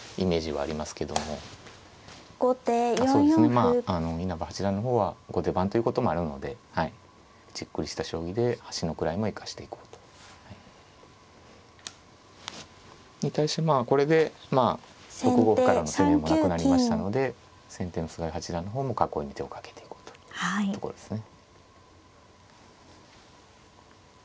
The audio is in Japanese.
まああの稲葉八段の方は後手番ということもあるのでじっくりした将棋で端の位も生かしていこうと。に対してまあこれで６五歩からの攻めもなくなりましたので先手の菅井八段の方も囲いに手をかけていこうというところですね。